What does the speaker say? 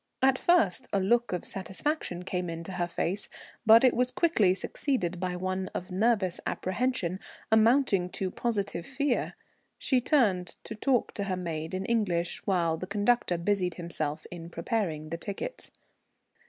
At first a look of satisfaction came into her face, but it was quickly succeeded by one of nervous apprehension, amounting to positive fear. She turned to talk to her maid in English, while the conductor busied himself in preparing the tickets.